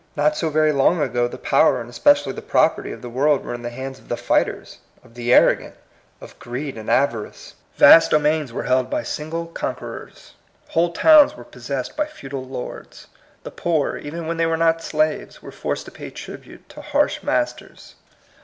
Not so very long ago the power, and es pecially the property, of the world were in the hands of the fighters, of the arrogant, of greed and avarice. Vast domains were held by single conquerors. Whole towns were possessed by feudal lords. The poor, even when they were not slaves, were forced to pay tribute to harsh masters.